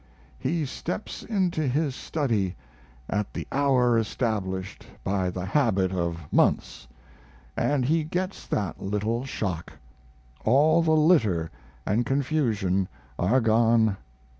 He steps into his study at the hour established by the habit of months & he gets that little shock. All the litter & confusion are gone.